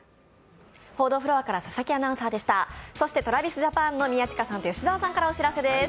ＴｒａｖｉｓＪａｐａｎの宮近さんと吉澤さんからお知らせです。